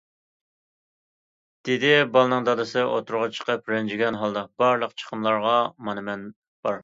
دېدى بالىنىڭ دادىسى ئوتتۇرىغا چىقىپ رەنجىگەن ھالدا، بارلىق چىقىملارغا مانا مەن بار!